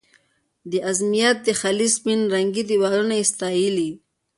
د ازمېت خلیج سپین رنګي دیوالونه یې ستایلي.